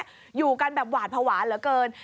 อยู่กันแบบหวาดภาวะเหลือเกิน